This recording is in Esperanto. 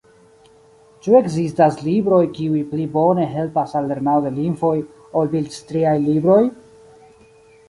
Ĉu ekzistas libroj, kiuj pli bone helpas al lernado de lingvoj, ol bildstriaj libroj?